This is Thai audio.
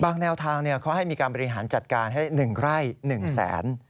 แนวทางเขาให้มีการบริหารจัดการให้๑ไร่๑แสน